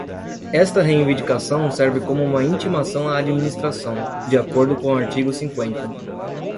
Esta reivindicação serve como uma intimação à administração, de acordo com o artigo cinquenta.